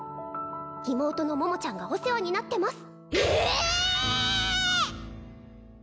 妹の桃ちゃんがお世話になってます